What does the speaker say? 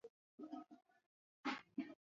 Wacha inyeshe tujue panapovuja.